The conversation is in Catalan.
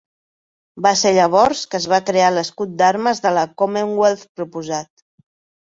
Va ser llavors que es va crear l'escut d'armes de la Commonwealth proposat.